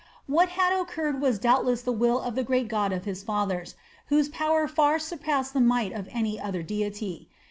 What had occurred was doubtless the will of the great God of his fathers, whose power far surpassed the might of any other deity.